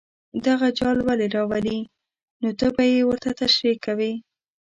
دغه جال ولې راولي نو ته به یې ورته تشریح کوې.